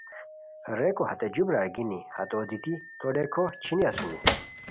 ریکو ہتے جو برار گینی ہتو دیتی تو ڈیکو چھینی اسونی